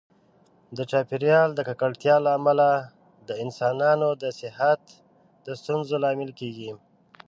د چاپیریال د ککړتیا له امله د انسانانو د صحت د ستونزو لامل کېږي.